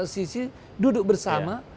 sisi duduk bersama